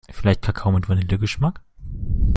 Vielleicht Kakao mit Vanillegeschmack?